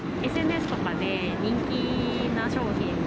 ＳＮＳとかで人気な商品。